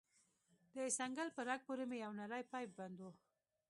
د څنگل په رگ پورې مې يو نرى پيپ بند و.